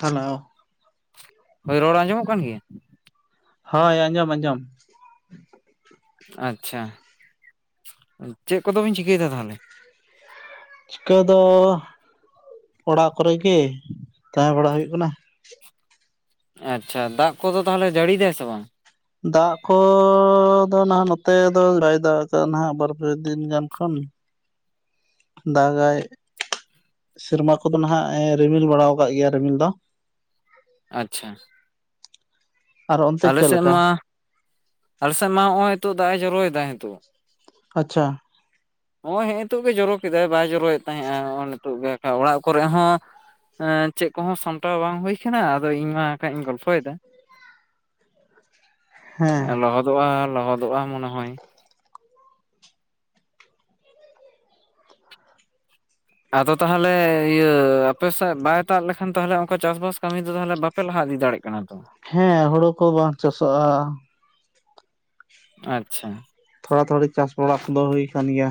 Hello ᱦᱳᱭ ᱨᱚᱲ ᱟᱸᱡᱚᱢᱚᱜ ᱠᱟᱱ ᱜᱮᱭᱟ ᱦᱳᱭ ᱟᱸᱡᱚᱢ ᱟᱸᱡᱚᱢ ᱟᱪᱪᱷᱟ ᱪᱮᱫ ᱠᱚᱫᱚᱵᱤᱱ ᱪᱤᱠᱟᱹᱭᱮᱫᱟ ᱛᱟᱦᱞᱮ ᱪᱤᱠᱟᱹ ᱫᱚ ᱚᱲᱟᱜ ᱠᱚᱨᱮ ᱜᱮ ᱛᱟᱦᱮᱸ ᱵᱟᱲᱟ ᱦᱩᱭᱩᱜ ᱠᱟᱱᱟ ᱟᱪᱪᱷᱟ ᱫᱟᱜ ᱠᱚᱫᱚ ᱛᱟᱦᱞᱮ ᱡᱟᱹᱲᱤ ᱫᱟᱭ ᱥᱮ ᱵᱟᱝ ᱫᱟᱜ ᱠᱚᱻᱫᱚ ᱱᱟᱦᱟᱜ ᱱᱚᱛᱮ ᱫᱚ ᱵᱟᱭ ᱫᱟᱜ ᱫᱟ ᱱᱟᱦᱟᱜ ᱵᱟᱨ ᱯᱮ ᱫᱤᱱ ᱜᱟᱱ ᱠᱷᱚᱱ ᱫᱟᱜᱟᱭ ᱥᱮᱨᱢᱟ ᱠᱚᱫᱚ ᱱᱟᱦᱟᱜ ᱨᱤᱢᱤᱞ ᱵᱟᱲᱟ ᱟᱠᱟᱫ ᱜᱮᱭᱟ ᱨᱤᱢᱤᱞ ᱫᱚ ᱟᱪᱪᱷᱟ ᱟᱨ ᱚᱱᱛᱮ ᱟᱞ ᱪᱮᱫ ᱥᱮᱫ ᱞᱮᱠᱟ ᱢᱟ, ᱟᱞᱮ ᱥᱮᱫ ᱢᱟ ᱦᱚᱸᱜᱼᱚᱭ ᱱᱤᱛᱚᱜ ᱫᱟᱜ ᱮ ᱡᱚᱨᱚᱭᱮᱫᱟ ᱱᱤᱛᱚᱜ ᱟᱪᱪᱷᱟ ᱦᱚᱸᱜᱼᱚᱭ ᱦᱮᱸᱜ-ᱮ ᱛᱳᱜ ᱜᱮ ᱡᱚᱨᱚ ᱠᱮᱫᱟᱭ ᱵᱟᱭ ᱡᱚᱨᱚᱭᱮᱫ ᱛᱟᱦᱮᱸᱜᱼᱟ ᱱᱚᱜᱼᱚᱭ ᱱᱤᱛᱚᱜ ᱜᱮ ᱚᱲᱟᱜ ᱠᱚᱨᱮ ᱦᱚᱸ ᱮᱸᱻ ᱪᱮᱫ ᱠᱚᱦᱚᱸ ᱥᱟᱢᱴᱟᱣ ᱵᱟᱝ ᱦᱩᱭ ᱟᱠᱟᱱᱟᱱᱟ ᱟᱫᱚ ᱤᱧ ᱢᱟ ᱦᱟ ᱠᱷᱟᱡ ᱤᱧ ᱜᱚᱞᱯᱷᱚᱭᱮᱫᱟ ᱦᱮᱸ ᱞᱚᱦᱚᱫᱚᱜᱼᱟ ᱞᱚᱦᱚᱫᱚᱜᱼᱟ ᱢᱚᱱᱮ ᱦᱚᱭ ᱟᱫᱚ ᱛᱟᱦᱞᱮ ᱤᱭᱟᱹ ᱟᱯᱮ ᱥᱮᱫ ᱵᱟᱭ ᱫᱟᱜ ᱞᱮᱠᱷᱟᱱ ᱛᱟᱦᱚᱞᱮ ᱚᱱᱠᱟ ᱪᱟᱥᱵᱟᱥ ᱠᱟᱹᱢᱤ ᱫᱚ ᱛᱟᱦᱚᱞᱮ ᱵᱟ ᱯᱮ ᱞᱟᱦᱟ ᱤᱫ ᱫᱟᱲᱮᱭᱟᱜ ᱠᱟᱱᱟ ᱛᱚ ᱦᱮᱸ ᱦᱩᱲᱩ ᱠᱚ ᱵᱟᱝ ᱪᱟᱥᱚᱜᱼᱟ ᱟᱪᱪᱷᱟ ᱛᱷᱚᱲᱟ ᱛᱷᱚᱲᱤ ᱪᱟᱥ ᱵᱟᱲᱟ ᱠᱚᱫᱚ ᱦᱩᱭ ᱟᱠᱟᱱ ᱜᱮᱭᱟ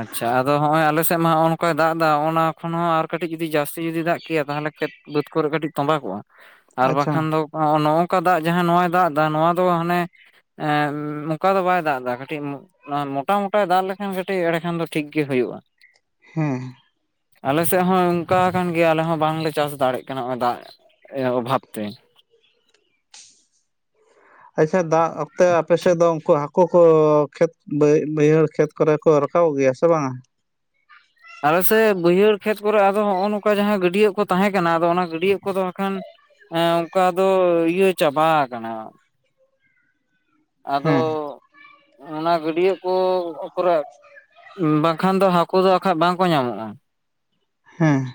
ᱟᱪᱪᱷᱟ ᱟᱫᱚ ᱦᱚᱸᱜᱼᱚᱭ ᱟᱞᱮ ᱥᱮᱫ ᱢᱟ ᱦᱚᱸᱜᱼᱚ ᱱᱚᱝᱠᱟᱭ ᱫᱟᱜ ᱮᱫᱟ ᱚᱱᱟ ᱠᱷᱚᱱ ᱦᱚᱸ ᱟᱨ ᱠᱟᱹᱴᱤᱡ ᱡᱩᱫᱤ ᱡᱟᱹᱥᱛᱤ ᱡᱩᱫᱤ ᱫᱟᱜ ᱠᱮᱭᱟ ᱛᱟᱦᱚᱞᱮ ᱠᱷᱮᱛ ᱵᱟᱹᱫᱽ ᱠᱚᱨᱮ ᱠᱟᱹᱴᱤᱡ ᱛᱚᱸᱵᱟ ᱠᱚᱜᱼᱟ ᱟᱨ ᱟᱪᱪᱷᱟ ᱵᱟᱠᱷᱟᱱ ᱫᱚ ᱱᱚᱜ ᱱᱚᱝᱠᱟ ᱫᱟᱜ ᱡᱟᱦᱟᱸ ᱱᱚᱟᱭ ᱫᱟᱜᱫᱟ ᱱᱚᱣᱟ ᱫᱚ ᱦᱟᱱᱮ ᱮᱸ ᱱᱚᱝᱠᱟ ᱫᱚ ᱵᱟᱭ ᱫᱟᱜ ᱮᱫᱟ ᱠᱟᱹᱴᱤᱡ ᱢᱚᱴᱟ ᱢᱚᱴᱟᱭ ᱫᱟᱜ ᱞᱮᱠᱷᱟᱱ ᱠᱟ ᱴᱤᱡ ᱮᱲᱮ ᱠᱷᱟᱱ ᱫᱚ ᱴᱷᱤᱠ ᱜᱮ ᱦᱳᱭᱳᱜᱼᱟ ᱦᱮᱸ ᱟᱞᱮ ᱥᱮᱜ ᱦᱚᱸ ᱚᱝᱠᱟ ᱟᱠᱟᱱ ᱜᱮᱭᱟ ᱟᱞᱮ ᱦᱚᱸ ᱵᱟᱝᱞᱮ ᱪᱟᱥ ᱫᱟᱲᱮᱜ ᱠᱟᱱᱟ ᱦᱚᱸᱜᱼᱚᱭ ᱫᱟᱜ ᱤᱭᱟᱹ ᱚᱵᱷᱟᱵᱽ ᱛᱮ ᱟᱪᱪᱷᱟ ᱫᱟᱜ ᱚᱠᱛᱮ ᱟᱯᱮᱥᱮᱫ ᱫᱚ ᱩᱝᱠᱩ ᱦᱟᱹᱠᱩ ᱠᱚ ᱠᱷᱮᱛ ᱵᱟᱹᱭᱦᱟᱹᱲ ᱠᱷᱮᱛ ᱠᱚᱨᱮ ᱠᱚ ᱨᱟᱠᱟᱵ ᱜᱮᱭᱟ ᱥᱮ ᱵᱟᱝᱟ ᱟᱞᱮ‌ ᱥᱮᱜ ᱵᱟᱹᱭᱦᱟᱹᱲ ᱠᱷᱮᱛ ᱠᱚᱨᱮᱜ ᱟᱫᱚ ᱱᱚᱜᱼᱚ ᱱᱚᱝᱠᱟ ᱡᱟᱦᱟᱸ ᱜᱟᱹᱰᱭᱟᱹ ᱠᱚ ᱛᱟᱦᱮᱸ ᱠᱟᱱᱟ ᱟᱫᱚ ᱚᱱᱟ ᱜᱟᱹᱰᱭᱟᱹ ᱠᱚᱫᱚ ᱦᱟᱸᱠᱷᱟᱱ ᱦᱮᱸ ᱚᱝᱠᱟ ᱫᱚ ᱤᱭᱟᱹ ᱪᱟᱵᱟ ᱟᱠᱟᱱᱟ ᱟᱫᱚ ᱦᱮᱸ ᱚᱱᱟ ᱜᱟᱹᱰᱭᱟᱹ ᱠᱚ ᱠᱚᱨᱮ ᱵᱟᱝᱠᱷᱟᱱ ᱫᱚ ᱦᱟᱹᱠᱩ ᱫᱚ ᱵᱟᱠᱷᱟᱡ ᱵᱟᱝᱠᱚ ᱧᱟᱢᱚᱜᱼᱟ ᱦᱮᱸ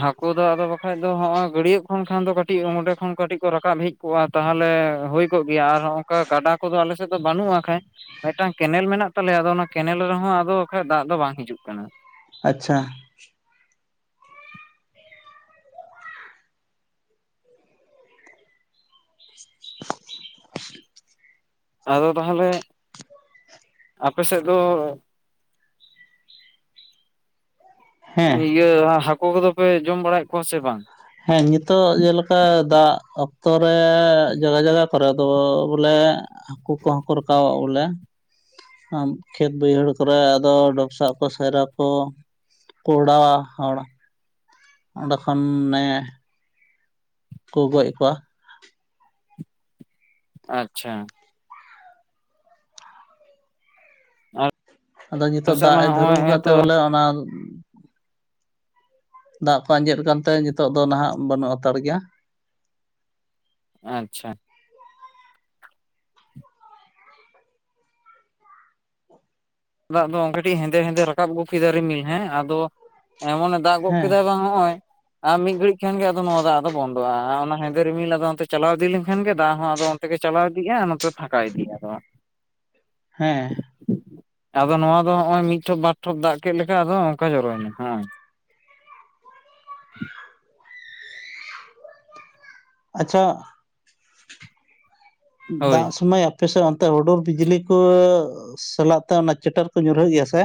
ᱦᱟᱹᱠᱩ ᱫᱚ ᱟᱫᱚ ᱵᱟᱠᱷᱟᱡ ᱫᱚ ᱦᱚᱸᱜᱚᱭ ᱜᱟᱹᱰᱭᱟᱹᱜ ᱠᱷᱚᱱ ᱠᱷᱟᱱ ᱫᱚ ᱠᱟᱹᱴᱤᱡ ᱚᱸᱰᱮ ᱠᱷᱚᱱ ᱠᱟᱹᱴᱤᱡ ᱠᱚ ᱨᱟᱠᱟᱵ ᱦᱮᱡ ᱠᱚᱜᱼᱟ ᱛᱟᱦᱞᱮ ᱦᱩᱭ ᱠᱚᱜ ᱜᱮᱭᱟ ᱟᱨ ᱦᱚᱸᱝᱠᱟ ᱜᱟᱰᱟ ᱠᱚᱫᱚ ᱟᱞᱮᱥᱮᱫ ᱫᱚ ᱵᱟᱹᱱᱩᱜᱼᱟ ᱦᱟᱸᱜ ᱠᱷᱟᱡ ᱢᱤᱜᱴᱟᱝ ᱠᱮᱱᱮᱞ ᱢᱮᱱᱟᱜ ᱛᱟᱞᱮᱭᱟ ᱟᱫᱚ ᱚᱱᱟ ᱠᱮᱱᱮᱞ ᱨᱮᱦᱚᱸ ᱟᱫᱚ ᱟᱠᱷᱟᱡ ᱫᱟᱜ ᱫᱚ ᱵᱟᱝ ᱦᱤᱡᱩᱜ ᱠᱟᱱᱟ᱾ ᱟᱪᱪᱷᱟ ᱟᱫᱚ ᱛᱟᱦᱞᱮ ᱟᱯᱮ ᱥᱮᱫ ᱫᱚ ᱦᱮᱸ ᱤᱭᱟᱹ ᱦᱟᱹᱠᱳ ᱠᱚᱫᱚ ᱯᱮ ᱡᱚᱢ ᱵᱟᱲᱟᱭᱮᱜ ᱠᱚᱣᱟ ᱥᱮ ᱵᱟᱝ? ᱦᱮᱸ ᱧᱤᱛᱚᱜ ᱡᱮᱞᱮᱠᱟ ᱫᱟᱜ ᱚᱠᱛᱚᱨᱮ ᱡᱟᱜᱟ ᱡᱟᱜᱟ ᱠᱚᱨᱮ ᱫᱚ ᱵᱚᱞᱮ ᱦᱟᱹᱠᱩ ᱠᱚᱦᱚᱸ ᱠᱚ ᱨᱟᱠᱟᱵᱚᱜᱼᱟ ᱵᱚᱞᱮ᱾ ᱠᱷᱮᱛ ᱵᱟᱹᱭᱦᱟᱹᱲ ᱠᱚᱨᱮ ᱟᱫᱚ ᱰᱚᱯᱥᱟᱜ ᱠᱚ ᱥᱟᱭᱨᱟ ᱠᱚ ᱠᱚᱰᱟᱣᱟ ᱦᱚᱲ ᱚᱸᱰᱮ ᱠᱷᱚᱱᱮ ᱠᱚ ᱜᱚᱡ ᱠᱚᱣᱟ᱾ ᱟᱪᱪᱷᱟ ᱟᱞᱮ ᱟᱫᱚ ᱧᱤᱛᱚᱜ ᱥᱮᱫ ᱫᱟᱜ ᱢᱟ ᱮ ᱦᱚᱸᱜᱼᱚᱭ ᱫᱷᱟᱹᱨᱩᱱ ᱠᱟᱜ ᱛᱮ ᱱᱤᱛᱚᱜ ᱵᱚᱞᱮ ᱚᱱᱟ ᱫᱟᱜ ᱠᱚ ᱟᱸᱡᱮᱫ ᱠᱟᱱᱛᱮ ᱱᱤᱛᱚᱜ ᱫᱚ ᱱᱟᱦᱟᱜ ᱵᱟᱹᱱᱩᱜ ᱦᱟᱛᱟᱲ ᱜᱮᱭᱟ᱾ ᱟᱪᱪᱷᱟ ᱫᱟᱜ ᱫᱚ ᱠᱟᱹᱴᱤᱜ ᱦᱮᱸᱫᱮ ᱦᱮᱸᱫᱮ ᱨᱟᱠᱟᱵ ᱜᱚᱜ ᱠᱮᱫᱟ ᱨᱤᱢᱤᱞ ᱦᱮᱸ ᱟᱫᱚ ᱮᱢᱚᱱ ᱫᱟᱜ ᱜᱚᱜ ᱦᱮᱸ ᱠᱮᱫᱟᱭ ᱵᱟᱝ ᱦᱚᱜᱼᱚᱭ ᱟ ᱢᱤᱜ ᱜᱷᱟᱹᱲᱤᱡ ᱠᱷᱟᱱᱜ ᱜᱮ ᱱᱚᱣᱟ ᱫᱚ ᱟᱫᱚ ᱵᱚᱱᱫᱚ ᱫᱚᱜᱼᱟ ᱟ ᱚᱱᱟ ᱦᱮᱸᱫᱮ ᱨᱤᱢᱤᱞ ᱟᱫᱚ ᱚᱱᱛᱮ ᱪᱟᱞᱟᱣ ᱤᱫᱤ ᱞᱮᱱᱠᱷᱟᱱ ᱜᱮ ᱫᱟᱜ ᱦᱚᱸ ᱟᱫᱚ ᱚᱱᱛᱮ ᱜᱮ ᱪᱟᱞᱟᱣ ᱤᱫᱤᱜᱼᱟ ᱱᱚᱛᱮ ᱯᱷᱟᱸᱠᱟ ᱤᱫᱤᱜᱼᱟ ᱟᱫᱚ᱾ ᱦᱮᱸ ᱟᱫᱚ ᱱᱚᱣᱟ ᱫᱚ ᱦᱚᱜᱼᱚᱭ ᱢᱤᱜ ᱴᱷᱚᱯ ᱵᱟᱨ ᱴᱷᱚᱯ ᱫᱟᱜ ᱠᱮᱜ ᱞᱮᱠᱟ ᱟᱫᱚ ᱦᱚᱸᱜᱼᱚᱝᱠᱟ ᱡᱚᱨᱚᱭᱮᱱᱟ ᱦᱚᱜᱼᱚᱭ᱾ ᱟᱪᱪᱷᱟ ᱦᱳᱭ ᱫᱟᱜ ᱥᱩᱢᱟᱹᱭ ᱟᱯᱮᱥᱜ ᱚᱱᱛᱮ ᱦᱩᱰᱩᱨ ᱵᱤᱡᱽᱞᱤ ᱠᱚ ᱥᱟᱞᱟᱜ ᱛᱮ ᱚᱱᱟ ᱪᱮᱴᱮᱨ ᱠᱚ ᱧᱩᱨᱦᱟᱹᱜ ᱜᱮᱭᱟ ᱥᱮ?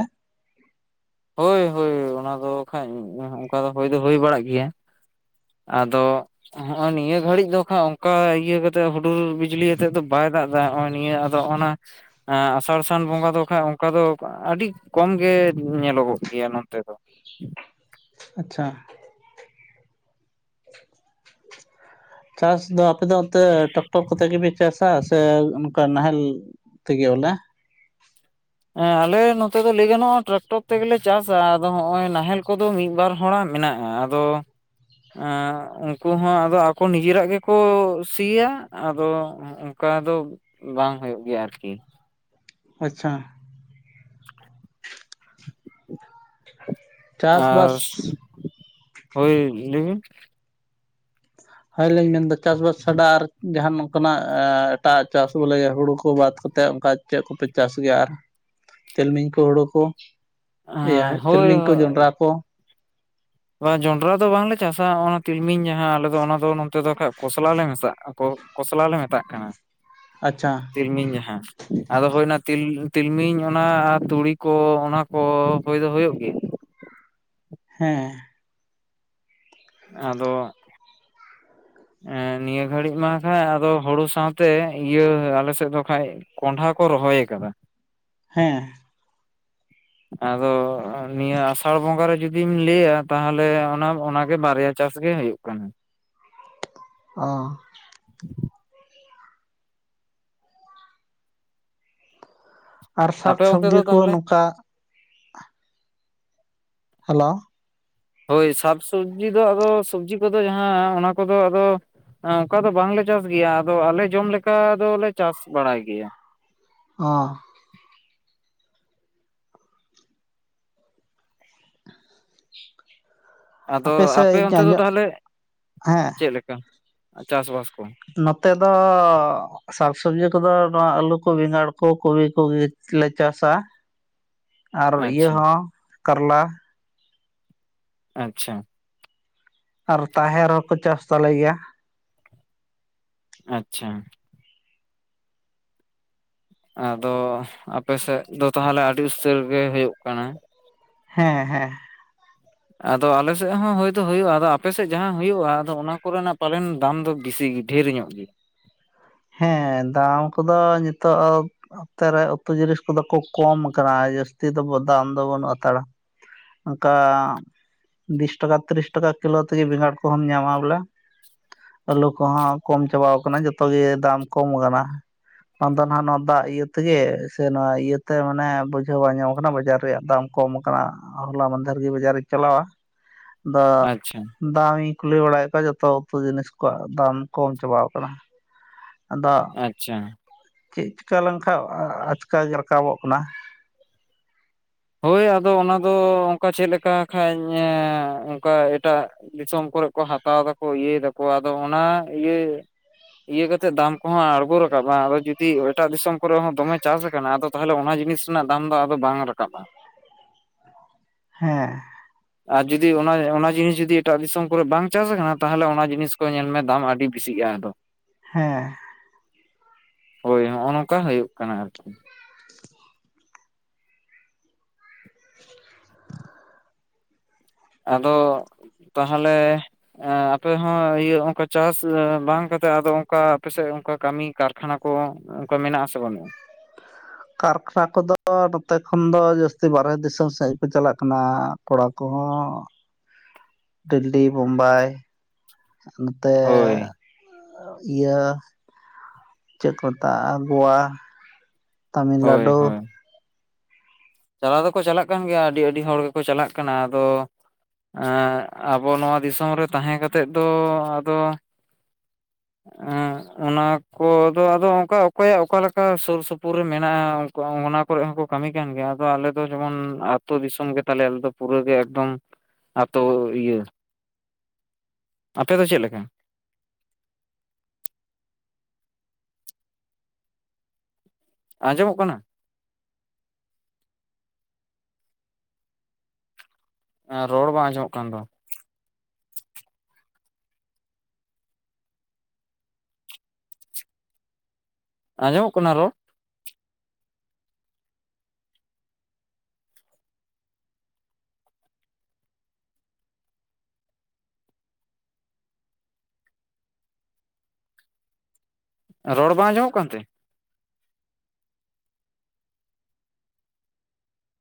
ᱦᱳᱭ ᱦᱳᱭ ᱚᱱᱟ ᱫᱚ ᱠᱷᱟᱡ ᱚᱝᱠᱟ ᱫᱚ ᱦᱳᱭ ᱫᱚ ᱦᱳᱭ ᱵᱟᱲᱟᱜ ᱜᱮᱭᱟ᱾ ᱟᱫᱚ ᱦᱚᱸᱜᱼᱚᱭ ᱱᱤᱭᱟᱹ ᱜᱷᱟᱹᱲᱤᱡ ᱫᱚ ᱠᱷᱟᱡ ᱚᱱᱠᱟ ᱤᱭᱟᱹ ᱠᱟᱛᱮᱜ ᱦᱩᱰᱩᱨ ᱵᱤᱡᱽᱞᱤ ᱟᱛᱮᱫ ᱫᱚ ᱵᱟᱭ ᱫᱟᱜ ᱮᱫᱟ ᱦᱚᱜᱼᱚᱭ ᱱᱤᱭᱟᱹ ᱛᱚ ᱚᱱᱟ ᱮᱸ ᱟᱥᱟᱲ ᱥᱟᱱ ᱵᱚᱸᱜᱟ ᱫᱚ ᱠᱷᱟᱡ ᱚᱱᱠᱟ ᱫᱚ ᱟᱹᱰᱤ ᱠᱚᱢ ᱜᱮ ᱧᱮᱞᱚᱜᱚᱜ ᱜᱮᱭᱟ ᱱᱚᱛᱮ ᱫᱚ᱾ ᱟᱪᱪᱷᱟ [inaudible] ᱪᱟᱥ ᱫᱚ ᱟᱯᱮᱫᱚ ᱚᱱᱛᱮ ᱴᱮᱠᱴᱚᱨ ᱠᱚᱛᱮ ᱜᱮᱯᱮ ᱪᱟᱥᱟ ᱥᱮ ᱠᱟ ᱱᱟᱦᱮᱞ ᱛᱮᱜᱮ ᱵᱚᱞᱮ? ᱦᱮᱸ ᱟᱞᱮ ᱱᱚᱛᱮ ᱫᱚ ᱞᱟᱹᱭ ᱜᱟᱱᱚᱜᱼᱟ ᱴᱨᱟᱠᱴᱚᱨ ᱛᱮᱜᱮᱞᱮ ᱪᱟᱥᱟ ᱟᱫᱚ ᱦᱚᱜᱼᱚᱭ ᱱᱟᱦᱮᱞ ᱠᱚᱫᱚ ᱢᱤᱜ ᱵᱟᱨ ᱦᱚᱲᱟᱜ ᱢᱮᱱᱟᱜᱼᱟ᱾ ᱫᱚ ᱮᱸ ᱩᱝᱠᱩ ᱦᱚᱸ ᱟᱫᱚ ᱟᱠᱚ ᱱᱤᱡᱮᱨᱟᱜ ᱜᱮᱠᱚ ᱥᱤᱭᱟ ᱟᱫᱚ ᱚᱝᱠᱟ ᱫᱚ ᱵᱟᱝ ᱦᱩᱭᱩᱜ ᱜᱮᱭᱟ ᱟᱨᱠᱤ᱾ ᱟᱪᱪᱷᱟ ᱪᱟᱥᱵᱟᱥ ᱟᱨ ᱦᱳᱭ ᱞᱟᱹᱭ ᱵᱤᱱ ᱦᱳᱭᱞᱤᱧ ᱢᱮᱱᱫᱟ ᱪᱟᱥᱵᱟᱥ ᱪᱷᱟᱰᱟ ᱟᱨ ᱡᱟᱦᱟᱱ ᱚᱝᱠᱟᱱᱟᱜ ᱮᱴᱟᱜ ᱟᱜ ᱪᱟᱥ ᱵᱚᱞᱮ ᱦᱩᱲᱩ ᱠᱚ ᱵᱟᱫ ᱠᱟᱛᱮᱫ ᱚᱝᱠᱟ ᱪᱮᱜ ᱠᱚᱯᱮ ᱪᱟᱥ ᱜᱮᱭᱟ ᱟᱨ ᱛᱤᱞᱢᱤᱧ ᱠᱚ ᱦᱩᱲᱩ ᱠᱩ? ᱤᱭᱟᱹ ᱦᱮᱸ ᱦᱳᱭ ᱛᱤᱞᱢᱤᱧ ᱠᱚ ᱡᱚᱱᱰᱨᱟ ᱠᱚ ᱵᱟ ᱡᱚᱱᱰᱨᱟ ᱫᱚ ᱵᱟᱝᱞᱮ ᱪᱟᱥᱟ ᱚᱱᱟ ᱛᱤᱞᱢᱤᱧ ᱡᱟᱦᱟᱸ ᱟᱞᱮ ᱫᱚ ᱚᱱᱟ ᱫᱚ ᱱᱚᱛᱮ ᱫᱚ ᱠᱚᱥᱞᱟ ᱞᱮ ᱢᱮᱥᱟᱜᱼᱟ᱾ ᱟᱠᱚ ᱠᱚᱥᱞᱟ ᱞᱮ ᱢᱮᱛᱟᱜ ᱠᱟᱱᱟ ᱟᱪᱪᱷᱟ ᱛᱤᱞᱢᱤᱧ ᱡᱟᱦᱟᱸ᱾ ᱟᱫᱚ ᱦᱳᱭᱱᱟ ᱛᱩᱞ ᱛᱤᱞᱢᱤᱧ ᱚᱱᱟ ᱛᱩᱲᱤ ᱠᱚ ᱚᱱᱟ ᱠᱚ ᱦᱳᱭ ᱫᱚ ᱦᱳᱭᱳᱜ ᱜᱮᱭᱟ᱾ ᱦᱮᱸ ᱟᱫᱚ [inaudible] ᱮᱸ ᱱᱤᱭᱟᱹ ᱜᱷᱟᱹᱲᱤᱜ ᱢᱟᱦᱮᱸ ᱟᱫᱚ ᱦᱩᱲᱩ ᱥᱟᱶᱛᱮ ᱤᱭᱟᱹ ᱟᱞᱮ ᱥᱮᱫ ᱫᱚ ᱠᱷᱟᱡ ᱠᱚᱸᱰᱦᱟ ᱠᱚ ᱨᱚᱦᱚᱭ ᱟᱠᱟᱫᱟ᱾ ᱦᱮᱸ ᱟᱫᱚ ᱱᱤᱭᱟᱹ ᱟᱥᱟᱲ ᱵᱚᱸᱜᱟ ᱨᱮ ᱡᱩᱫᱤᱢ ᱞᱟᱹᱭᱟ ᱛᱟᱦᱞᱮ ᱚᱱᱟ ᱚᱱᱟᱜᱮ ᱵᱟᱨᱭᱟ ᱪᱟᱥ ᱜᱮ ᱦᱩᱭᱩᱜ ᱠᱟᱱᱟ᱾ ᱚᱻ [inaudible] ᱟᱨ ᱥᱟᱠ ᱟᱯᱮ ᱚᱱᱛᱮ ᱥᱚᱵᱽᱡᱤ ᱫᱚ ᱠᱚ ᱛᱟᱦᱚᱞᱮ ᱱᱚᱝᱠᱟ ᱦᱮᱞᱳ ᱦᱳᱭ ᱥᱟᱠᱼᱥᱚᱵᱽᱡᱤ ᱫᱚ ᱟᱫᱚ ᱥᱚᱵᱡᱤ ᱠᱚᱫᱚ ᱡᱟᱦᱟᱸ ᱚᱱᱟ ᱠᱚᱫᱚ ᱟᱫᱚ ᱚᱱᱠᱟ ᱫᱚ ᱵᱟᱝᱞᱮ ᱪᱟᱥ ᱜᱮᱭᱟ ᱟᱫᱚ ᱟᱞᱮ ᱡᱚᱢ ᱞᱮᱠᱟ ᱫᱚᱞᱮ ᱪᱟᱥ ᱵᱟᱲᱟᱭ ᱜᱮᱭᱟ ᱚ [inaudible] ᱟᱫᱚ ᱥᱮᱫ ᱟᱯᱮ ᱤᱧ ᱚᱱᱛᱮ ᱫᱚ ᱟᱸᱡᱚᱢ ᱛᱟᱦᱚᱞᱮ ᱦᱮᱸ ᱪᱮᱫᱞᱮᱠᱟ ᱪᱟᱥᱵᱟᱥ ᱠᱚ ᱱᱚᱛᱮ ᱫᱚ ᱥᱟᱠᱥᱚᱵᱽᱡᱤ ᱠᱚᱫᱚ ᱱᱚᱣᱟ ᱟᱹᱞᱩ ᱠᱚ ᱵᱮᱸᱜᱟᱲ ᱠᱚ ᱠᱚᱵᱤ ᱠᱚᱜᱮᱞᱮ ᱪᱟᱥᱟ ᱟᱨ ᱤᱭᱟᱹ ᱟᱪᱪᱷᱟ ᱦᱚᱸ ᱠᱟᱨᱞᱟ ᱟᱪᱪᱷᱟ ᱟᱨ ᱛᱟᱦᱮᱨ ᱦᱚ ᱠᱚ ᱪᱟᱥ ᱛᱟᱞᱮ ᱜᱮᱭᱟ ᱟᱪᱪᱷᱟ ᱟᱫᱚ ᱟᱯᱮ ᱥᱮᱫ ᱫᱚ ᱛᱟᱦᱚᱞᱮ ᱟᱹᱰᱤ ᱩᱥᱛᱟᱹᱨ ᱜᱮ ᱦᱩᱭᱩᱜ ᱠᱟᱱᱟ ᱦᱮᱸ ᱦᱮᱸ ᱟᱫᱚ ᱟᱞᱮᱥᱮᱫ ᱦᱚᱸ ᱦᱳᱭ ᱫᱚ ᱦᱩᱭᱩᱜᱼᱟ ᱟᱫᱚ ᱟᱯᱮᱥᱮᱫ ᱡᱟᱦᱟᱸ ᱦᱩᱭᱩᱜᱼᱟ ᱟᱫᱚ ᱚᱱᱟ ᱠᱚᱨᱮᱱᱟᱜ ᱯᱟᱞᱮᱱ ᱫᱟᱢ ᱫᱚ ᱵᱤᱥᱤ ᱜᱮ ᱰᱷᱮᱨ ᱧᱚᱜ ᱜᱮ ᱦᱮᱸ ᱫᱟᱢ ᱠᱚᱫᱚ ᱱᱤᱛᱚᱜ ᱱᱚᱛᱮ ᱨᱮ ᱩᱛᱩ ᱡᱤᱱᱤᱥ ᱠᱚᱫᱚ ᱠᱚ ᱠᱚᱢ ᱟᱠᱟᱱᱟ ᱡᱟᱹᱥᱛᱤ ᱫᱚ ᱫᱟᱢ ᱫᱚ ᱵᱟᱹᱱᱩᱜ ᱦᱟᱛᱟᱲᱟ ᱚᱱᱠᱟ ᱵᱤᱥ ᱴᱟᱠᱟ ᱛᱤᱨᱤᱥ ᱴᱟᱠᱟ ᱠᱤᱞᱳ ᱛᱮᱜᱮ ᱵᱮᱸᱜᱟᱲ ᱠᱚᱦᱚᱸᱢ ᱧᱟᱢᱟ ᱵᱚᱞᱮ ᱟᱹᱞᱩ ᱠᱚᱦᱚᱸ ᱠᱚᱢ ᱪᱟᱵᱟᱣ ᱠᱟᱱᱟ ᱡᱚᱛᱚ ᱜᱮ ᱫᱟᱢ ᱠᱚᱢ ᱠᱟᱱᱟ ᱟᱫᱚ ᱱᱟᱜ ᱱᱚᱣᱟ ᱫᱟᱜ ᱤᱭᱟᱹ ᱛᱮᱜᱮ ᱥᱮ ᱱᱚᱣᱟ ᱤᱭᱟᱹᱛᱮ ᱢᱟᱱᱮ ᱵᱩᱡᱷᱟᱹᱣ ᱵᱟᱝ ᱧᱟᱢ ᱟᱠᱟᱱᱟ ᱵᱟᱡᱟᱨ ᱨᱮᱭᱟᱜ ᱫᱟᱢ ᱠᱚᱢ ᱠᱟᱱᱟ ᱦᱚᱞᱟ ᱢᱟᱫᱷᱮᱨ ᱜᱮ ᱵᱟᱡᱟᱨᱤᱧ ᱪᱟᱞᱟᱣᱟ ᱟᱪᱪᱷᱟ [unintelligible] ᱫᱟᱢ ᱤᱧ ᱠᱩᱞᱤ ᱵᱟᱲᱟᱭᱮᱫ ᱠᱚᱣᱟ ᱡᱚᱛᱚ ᱩᱛᱩ ᱡᱤᱱᱤᱥ ᱠᱚᱣᱟᱜ ᱫᱟᱢ ᱠᱚᱢ ᱪᱟᱵᱟᱣ ᱠᱟᱱᱟ ᱟᱫᱚ ᱟᱪᱪᱷᱟ ᱪᱮᱫ ᱪᱤᱠᱟᱹ ᱞᱮᱱᱠᱷᱟᱱ ᱟᱪᱠᱮ ᱜᱮ ᱨᱟᱠᱟᱵᱚᱜ ᱠᱟᱱᱟ ᱦᱳᱭ ᱟᱫᱚ ᱚᱱᱟ ᱫᱚ ᱚᱱᱠᱟ ᱪᱮᱫ ᱞᱮᱠᱟ ᱠᱷᱟᱱᱡ ᱚᱱᱠᱟ ᱮᱴᱟᱜ ᱫᱤᱥᱚᱢ ᱠᱚᱨᱮ ᱠᱚ ᱦᱟᱛᱟᱣ ᱫᱟᱠᱚ ᱤᱭᱟᱹᱭ ᱫᱟᱠᱚ ᱟᱫᱚ ᱚᱱᱟ ᱤᱭᱟᱹ ᱤᱭᱟᱹ ᱠᱟᱛᱮᱫ ᱫᱟᱢ ᱠᱚᱦᱚᱸ ᱟᱸᱬᱜᱚ ᱨᱟᱠᱟᱵ ᱟ ᱟᱫᱚ ᱡᱩᱫᱤ ᱮᱴᱟᱜ ᱫᱤᱥᱚᱢ ᱠᱚᱨᱮ ᱦᱚᱸ ᱫᱚᱢᱮ ᱪᱟᱥ ᱟᱠᱟᱱᱟ ᱟᱫᱚ ᱛᱟᱦᱚᱞᱮ ᱚᱱᱟ ᱡᱤᱱᱤᱥ ᱨᱮᱱᱟᱜ ᱫᱟᱢ ᱫᱚ ᱟᱫᱚ ᱵᱟᱝ ᱨᱟᱠᱟᱵ ᱟ ᱦᱮᱸ ᱟᱨ ᱡᱩᱫᱤ ᱚᱱᱟ ᱚᱱᱟ ᱡᱤᱱᱤᱥ ᱡᱩᱫᱤ ᱮᱴᱟᱜ ᱫᱤᱥᱚᱢ ᱠᱚᱨᱮ ᱵᱟᱝ ᱪᱟᱥ ᱟᱠᱟᱱᱟ ᱛᱟᱦᱚᱞᱮ ᱚᱱᱟ ᱡᱤᱱᱤᱥ ᱠᱚ ᱧᱮᱞ ᱢᱮ ᱫᱟᱢ ᱟᱹᱰᱤ ᱵᱮᱥᱤᱜᱼᱟ ᱟᱫᱚ ᱦᱮᱸ ᱦᱳᱭ ᱦᱚᱜᱼᱚ ᱱᱚᱝᱠᱟ ᱦᱩᱭᱩᱜ ᱠᱟᱱᱟ ᱟᱨᱠᱤ [unintelligible] [inaudible] ᱟᱫᱚ ᱛᱟᱦᱚᱞᱮ ᱟᱯᱮ ᱦᱚᱸ ᱤᱭᱟᱹ ᱦᱚᱸᱜᱠᱟ ᱪᱟᱥ ᱵᱟᱝ ᱠᱟᱛᱮ ᱟᱫᱚ ᱚᱱᱠᱟ ᱟᱯᱮᱥᱮᱫ ᱚᱱᱠᱟ ᱠᱟᱹᱢᱤ ᱠᱟᱨᱠᱷᱟᱱᱟ ᱠᱚ ᱚᱱᱠᱟ ᱢᱮᱱᱟᱜ ᱟ ᱥᱮ ᱵᱟᱹᱱᱩᱜᱼᱟ ᱠᱟᱨᱠᱷᱟᱱᱟ ᱠᱚᱫᱚ ᱱᱚᱛᱮ ᱠᱷᱚᱱ ᱫᱚ ᱡᱟᱹᱥᱛᱤ ᱵᱟᱨᱦᱮ ᱫᱤᱥᱚᱢ ᱥᱮᱫ ᱜᱮᱠᱚ ᱪᱟᱞᱟᱜ ᱠᱟᱱᱟ ᱠᱚᱲᱟ ᱠᱚᱦᱚᱸ ᱫᱤᱞᱞᱤ ᱵᱳᱢᱵᱟᱭ ᱱᱚᱛᱮ ᱦᱳᱭ ᱤᱭᱟᱹ ᱪᱮᱫ ᱠᱚ ᱢᱮᱛᱟᱜᱼᱟ ᱜᱳᱣᱟ ᱦᱳᱭ ᱛᱟᱢᱤᱱᱞᱟᱰᱩ ᱦᱳᱭ ᱪᱟᱞᱟᱣ ᱫᱚᱠᱚ ᱪᱟᱞᱟᱜ ᱠᱟᱱ ᱜᱮᱭᱟ ᱟᱹᱰᱤ ᱟᱹᱰᱤ ᱦᱚᱲ ᱜᱮᱠᱚ ᱪᱟᱞᱟᱜ ᱠᱟᱱᱟ ᱟᱫᱚ ᱮᱸᱜ ᱟᱵᱚ ᱱᱚᱣᱟ ᱫᱤᱥᱚᱢ ᱨᱮ ᱛᱟᱦᱮᱸ ᱠᱟᱛᱮᱫ ᱫᱚ ᱟᱫᱚ [inaudible] ᱚᱱᱟ ᱠᱚᱫᱚ ᱟᱫᱚ ᱚᱱᱠᱟ ᱚᱠᱚᱭᱟᱜ ᱚᱠᱟ ᱞᱮᱠᱟ ᱥᱩᱨ ᱥᱩᱯᱩᱨ ᱨᱮ ᱢᱮᱱᱟᱜᱼᱟ ᱚᱱᱟ ᱠᱚᱨᱮᱜ ᱦᱚᱸᱠᱚ ᱠᱟᱹᱢᱤ ᱠᱟᱱ ᱜᱮᱭᱟ ᱟᱞᱮ ᱫᱚ ᱡᱮᱢᱚᱱ ᱟᱹᱛᱩ ᱫᱤᱥᱚᱢ ᱜᱮ ᱛᱟᱞᱮ ᱟᱞᱮ ᱫᱚ ᱯᱩᱨᱟᱹᱜᱮ ᱮᱠᱫᱚᱢ ᱟᱹᱛᱳ ᱤᱭᱟᱹ ᱟᱯᱮ ᱫᱚ ᱪᱮᱫ ᱞᱮᱠᱟ ᱟᱸᱡᱚᱢᱚᱜ ᱠᱟᱱᱟ? ᱨᱚᱲ ᱵᱟᱝ ᱟᱸᱡᱚᱢᱚᱜ ᱠᱟᱱᱫᱚ᱾ ᱟᱸᱡᱚᱢᱼᱚᱜ ᱠᱟᱱᱟ ᱨᱚᱲ? ᱨᱚᱲ ᱵᱟᱝ ᱟᱸᱡᱚᱢᱼᱚᱜ ᱠᱟᱱᱛᱮ᱾